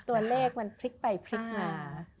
ตัวเลขมันพลิกไปพลิกมา